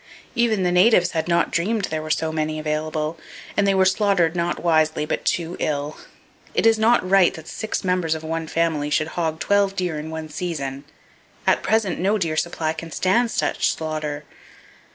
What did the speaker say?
Even the natives had not dreamed there were so many available; and they were slaughtered not wisely but too ill. It is not right that six members of one family should "hog" twelve deer in one season. At present no deer supply can stand such slaughter.